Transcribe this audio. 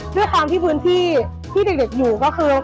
ด้วยความที่พื้นที่ที่เด็กอยู่ก็คือ